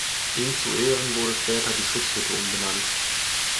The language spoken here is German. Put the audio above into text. Ihm zu Ehren wurde später die Schutzhütte umbenannt.